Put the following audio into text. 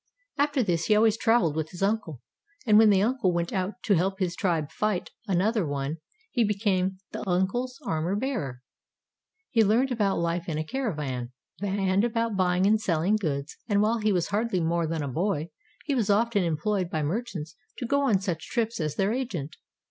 After this, he always traveled with his uncle, and when the uncle went out to help his tribe fight another one, he became the uncle's armor bearer. He learned about life in a caravan, and about buying and seHing goods, and while he was hardly more than a boy, he was often em ployed by merchants to go on such trips as their agent.